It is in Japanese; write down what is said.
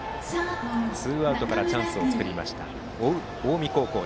ツーアウトからチャンスを作りました、追う近江高校。